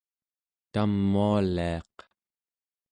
tamualiaq